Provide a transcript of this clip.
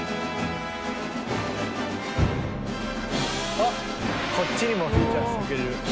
あっこっちにもフィーチャーしてくれる。